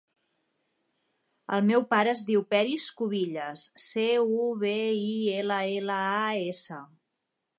El meu pare es diu Peris Cubillas: ce, u, be, i, ela, ela, a, essa.